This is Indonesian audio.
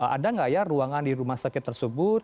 ada nggak ya ruangan di rumah sakit tersebut